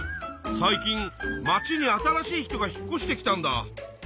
最近まちに新しい人が引っこしてきたんだ。